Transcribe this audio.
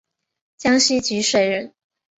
江西吉水人。